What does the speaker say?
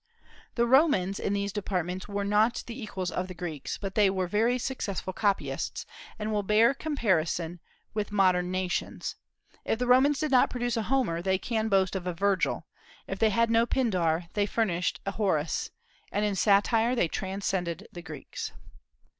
The Romans in these departments were not the equals of the Greeks, but they were very successful copyists, and will bear comparison with modern nations. If the Romans did not produce a Homer, they can boast of a Virgil; if they had no Pindar, they furnished a Horace; and in satire they transcended the Greeks.